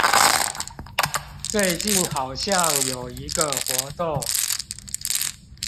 最近好像有一個活動